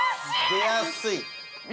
◆出やすい。